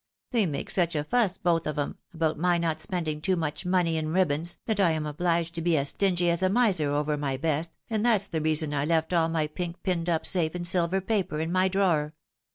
They make such a fuss, both of 'em, about my not spending too much money in ribbons, that I am obliged to be as stingy as a miser over my best, and that's the reason I left all my pink pinned up safe in silver paper in my drawer.